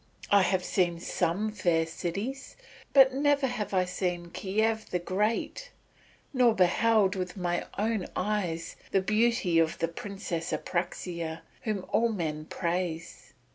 I have seen some fair cities, but never have I seen Kiev the Great nor beheld with my own eyes the beauty of the Princess Apraxia whom all men praise.